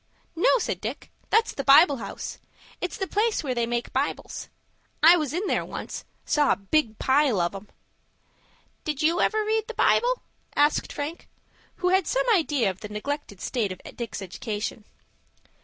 "No," said Dick; "that's the Bible House. It's the place where they make Bibles. I was in there once,—saw a big pile of 'em." "Did you ever read the Bible?" asked Frank, who had some idea of the neglected state of Dick's education.